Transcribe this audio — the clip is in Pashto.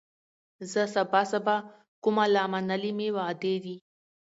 زه سبا سبا کومه لا منلي مي وعدې دي